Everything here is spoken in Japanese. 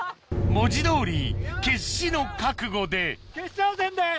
文字どおり決死の覚悟で決勝戦です。